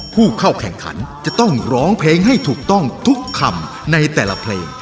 ผู้เข้าแข่งขันจะต้องร้องเพลงให้ถูกต้องทุกคำในแต่ละเพลง